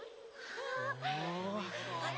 ああ！